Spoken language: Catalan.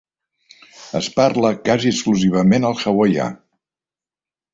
Es parla quasi exclusivament el hawaià.